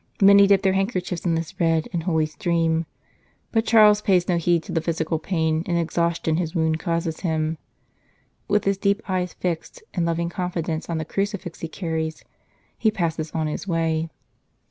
Many dip their handkerchiefs in this red and holy 147 St. Charles Borromeo stream ; but Charles pays no heed to the physical pain and exhaustion his wound causes him. With his deep eyes fixed in loving confidence on the crucifix he carries, he passes on his way.